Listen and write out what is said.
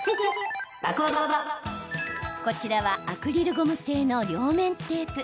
こちらは、アクリルゴム製の両面テープ。